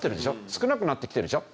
少なくなってきているでしょ？